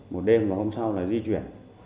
một đêm và hôm sau là di chuyển